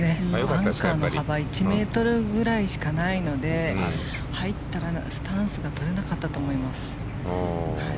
バンカーの幅１ｍぐらいしかないので入ったらスタンスが取れなかったと思います。